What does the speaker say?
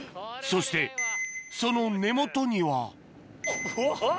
そしてその根元にはうわ！